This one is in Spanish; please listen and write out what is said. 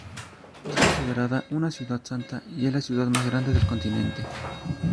Es considerada una ciudad santa, y es la ciudad más grande del continente.